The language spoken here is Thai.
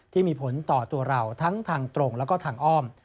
ที่มีผลต่อตัวเราทั้งทางตรงแล้วก็ทางอ้อม